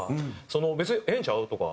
「別にええんちゃう？」とか。